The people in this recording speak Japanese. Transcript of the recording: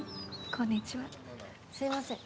すいません。